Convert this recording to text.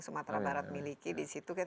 sumatera barat miliki di situ